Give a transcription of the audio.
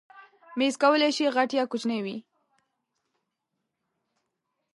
مېز کولی شي غټ یا کوچنی وي.